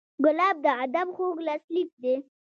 ګلاب د ادب خوږ لاسلیک دی.